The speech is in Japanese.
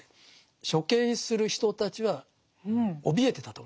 処刑する人たちはおびえてたと思いますね。